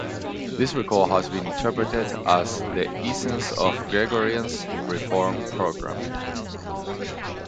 This record has been interpreted as the essence of the Gregorian 'reform programme'.